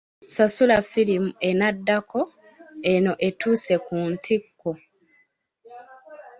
Sasula firimu enaddako eno etuuse ku ntikko.